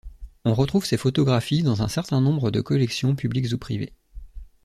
On retrouve ses photographies dans un certain nombre de collections publiques ou privées.